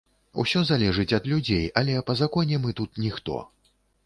Усё залежыць ад людзей, але па законе мы тут ніхто.